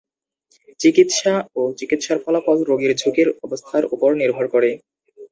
চিকিৎসা ও চিকিৎসার ফলাফল রোগীর ঝুঁকির অবস্থার ওপর নির্ভর করে।